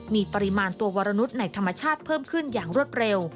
มีปริมาณตัววรนุษย์ในธรรมชาติเพิ่มขึ้นอย่างรวดเร็ว